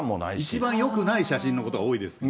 一番よくない写真のことが多いですね。